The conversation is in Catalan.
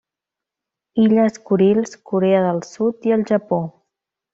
Illes Kurils, Corea del Sud i el Japó.